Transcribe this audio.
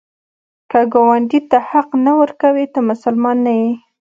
که ګاونډي ته حق نه ورکوې، ته مسلمان نه یې